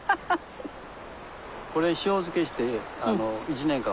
これ塩漬けして１年間保存食で。